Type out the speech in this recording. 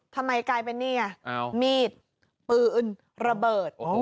ทำไมกลายเป็นนี่ไงมีดปืนระเบิด